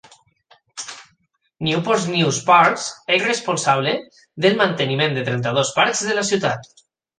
Newport News Parks és responsable del manteniment de trenta-dos parcs de la ciutat.